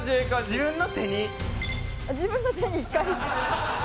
自分の手に一回。